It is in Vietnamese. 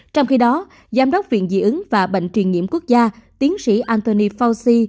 trong khi đó giám đốc viện diễn ứng và bệnh truyền nhiễm quốc gia tiến sĩ anthony fauci